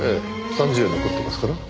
３０円残ってますから。